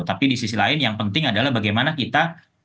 tapi di sisi lain yang penting adalah bagaimana kita